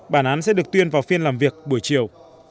bản án sẽ được tuyên vào phiên làm việc buổi chiều